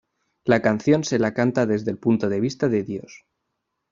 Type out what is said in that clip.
La canción se la canta desde el punto de vista de Dios.